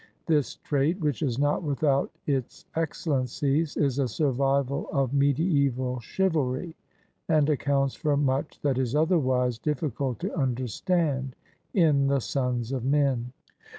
This trait — which is not without its excellencies — is a survival of me diaeval chivalry, and accounts for much that is otherwise difficult to understand in the sons of men.